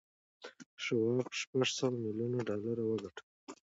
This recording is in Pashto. شواب شپږ سوه میلیون ډالر وګټل